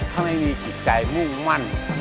ถ้าไม่มีจิตใจมึงมา